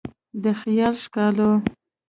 د خیال ښکالو